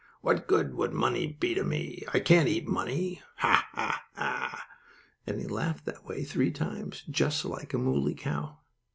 What good would money be to me? I can't eat money! Ha! ha! ha!" and he laughed that way three times, just like a mooley cow.